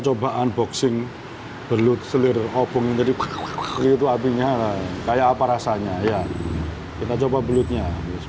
coba unboxing belut selir opung jadi itu apinya kayak apa rasanya ya kita coba belutnya